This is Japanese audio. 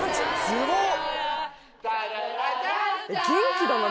すごっ！